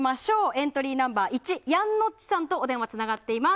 エントリーナンバー１やんのっちさんとお電話つながっています。